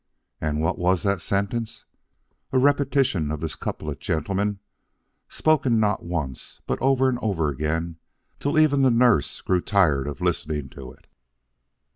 And what was that sentence? A repetition of this couplet, gentlemen, spoken not once but over and over again, till even the nurse grew tired of listening to it.